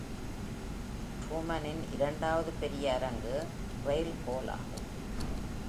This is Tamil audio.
Truman-இன் இரண்டாவது பெரிய அரங்கு Ryle Hall ஆகும்.